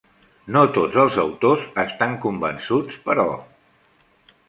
No tots els autors estan convençuts, però.